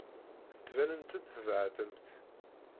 Tettbanemt-d tbeɛdemt.